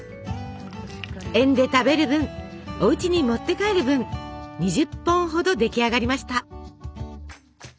園で食べる分おうちに持って帰る分２０本ほど出来上がりました。